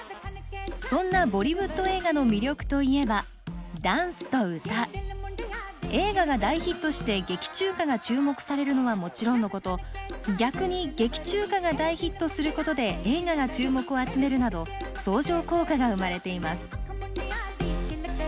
そんなボリウッド映画の魅力といえば映画が大ヒットして劇中歌が注目されるのはもちろんのこと逆に劇中歌が大ヒットすることで映画が注目を集めるなど相乗効果が生まれています。